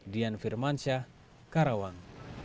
dian firmansyah karawang